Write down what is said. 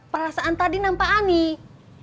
perasaan tadi nampak aneh